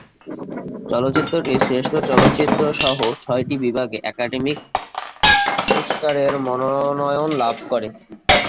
চলচ্চিত্রটি শ্রেষ্ঠ চলচ্চিত্রসহ ছয়টি বিভাগে একাডেমি পুরস্কারের মনোনয়ন লাভ করে।